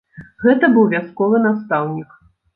Гэта быў вясковы настаўнік.